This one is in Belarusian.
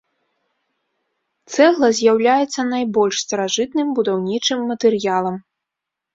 Цэгла з'яўляецца найбольш старажытным будаўнічым матэрыялам.